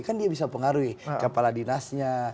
kan dia bisa pengaruhi kepala dinasnya